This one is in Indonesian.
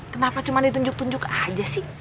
kenapa cuma ditunjuk tunjuk aja sih